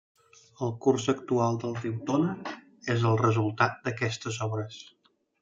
El curs actual del riu Tone és el resultat d'aquestes obres.